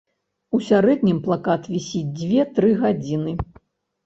У сярэднім плакат вісіць дзве-тры гадзіны.